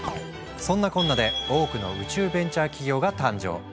そんなこんなで多くの宇宙ベンチャー企業が誕生。